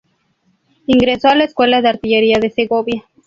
Ingresó en la Escuela de Artillería de Segovia.